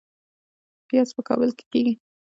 پیاز په کابل کې کیږي